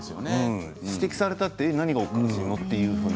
指摘されたって何がおかしいの？というふうな。